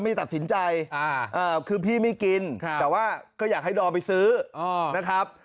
ตัดสินใจคือพี่ไม่กินแต่ว่าก็อยากให้ดอมไปซื้อนะครับ